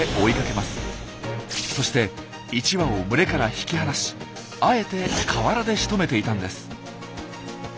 そして１羽を群れから引き離しあえて河原でしとめていたんです。